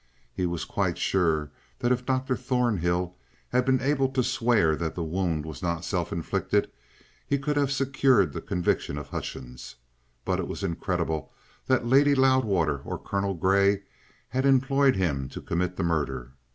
He was quite sure that if Dr. Thornhill had been able to swear that the wound was not self inflicted, he could have secured the conviction of Hutchings. But it was incredible that Lady Loudwater or Colonel Grey had employed him to commit the murder.